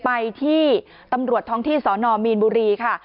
ไปที่ตำรวจท้องที่สนมีนบุรีค่ะ